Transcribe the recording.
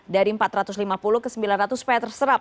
dari empat ratus lima puluh ke sembilan ratus supaya terserap